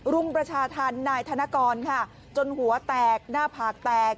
รุมประชาธรรมนายธนกรค่ะจนหัวแตกหน้าผากแตก